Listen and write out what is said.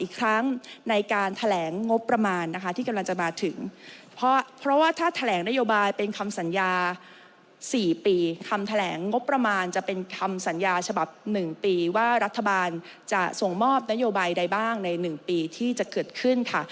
คำแถลงงบประมาณจะเป็นคำสัญญาฉบับหนึ่งปีว่ารัฐบาลจะส่งมอบนโยบายใดบ้างในหนึ่งปีที่จะเกิดขึ้นค่ะ